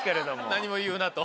何も言うなと。